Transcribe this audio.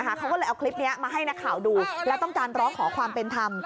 เขาก็เลยเอาคลิปนี้มาให้นักข่าวดูแล้วต้องการร้องขอความเป็นธรรม